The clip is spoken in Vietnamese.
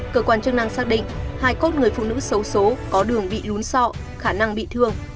cơ quan chức năng xác định hai cốt người phụ nữ xấu xố có đường bị lún sọ khả năng bị thương